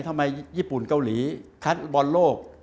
ทำไมญี่ปุ่นเกาหลีคัดบอลโลก